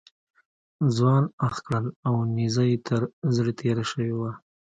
ځوان اخ کړل او نیزه یې تر زړه تېره شوې وه.